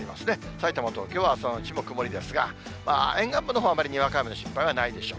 さいたま、東京は朝のうちは曇りですが、沿岸部のほうはあまりにわか雨の心配はないでしょう。